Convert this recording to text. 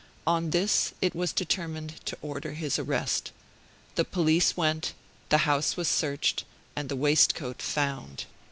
On this it was determined to order his arrest. The police went, the house was searched, and the waistcoat found.